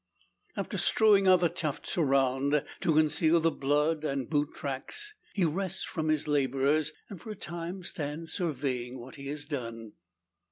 After strewing other tufts around, to conceal the blood and boot tracks, he rests from his labour, and for a time stands surveying what he has done.